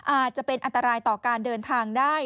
อาจจะเป็นอันตรายต่อการเดินทางได้